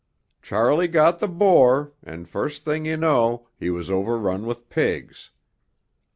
Charley got the boar and first thing you know he was overrun with pigs.